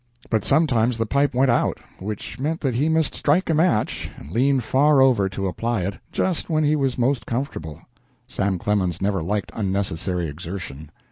But sometimes the pipe went out, which meant that he must strike a match and lean far over to apply it, just when he was most comfortable. Sam Clemens never liked unnecessary exertion.